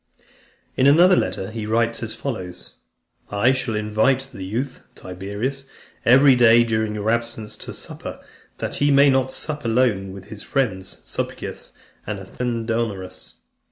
In another letter, he writes as follows: "I shall invite: the youth, Tiberius, every day during your absence, to supper, that he may not sup alone with his friends Sulpicius and Athenodorus.